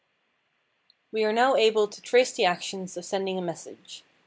_] We are now able to trace the actions of sending a message.